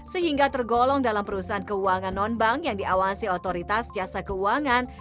sehingga tergolong dalam perusahaan keuangan non bank yang diawasi otoritas jasa keuangan